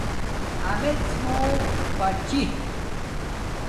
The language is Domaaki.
امیڎ مُو پاڅی